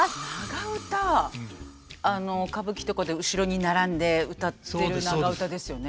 あの歌舞伎とかで後ろに並んでうたってる長唄ですよね。